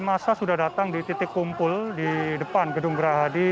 masa sudah datang di titik kumpul di depan gedung gerahadi